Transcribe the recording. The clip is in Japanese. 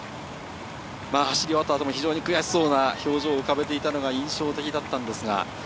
走り終わった後も非常に悔しそうな表情を浮かべていたのが印象的でした。